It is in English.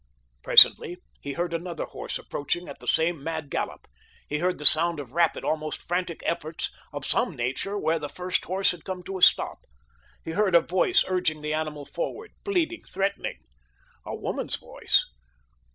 Presently he heard another horse approaching at the same mad gallop. He heard the sound of rapid, almost frantic efforts of some nature where the first horse had come to a stop. He heard a voice urging the animal forward—pleading, threatening. A woman's voice.